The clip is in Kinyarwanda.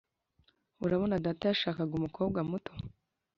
urabona data yashakaga umukobwa muto